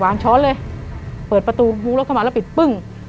ช้อนเลยเปิดประตูมุ้งรถเข้ามาแล้วปิดปึ้ง